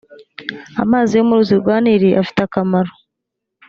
amazi yo mu ruzi rwa nili afite akamaro.